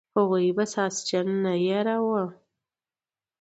هغوی به ساسچن نه یراو.